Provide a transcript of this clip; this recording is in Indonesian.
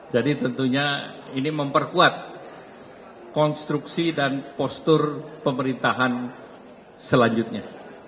jadi tentunya ini memperkuat konstruksi dan postur pemerintahan selanjutnya